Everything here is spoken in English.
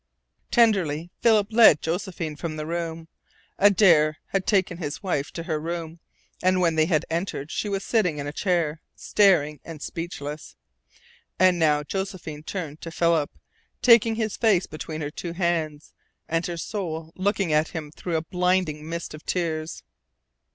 Tenderly Philip led Josephine from the room. Adare had taken his wife to her room, and when they entered she was sitting in a chair, staring and speechless. And now Josephine turned to Philip, taking his face between her two hands, and her soul looking at him through a blinding mist of tears.